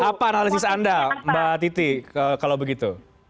apa analisis anda mbak titi kalau begitu